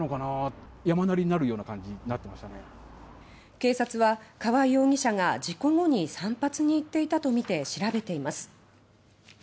警察は川容疑者が事故後に散髪に行っていたとみて調べています。